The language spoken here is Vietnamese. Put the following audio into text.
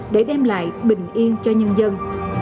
hãy bình yên cho nhân dân